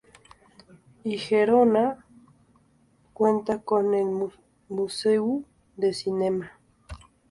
Y Gerona cuenta con el Museu del Cinema.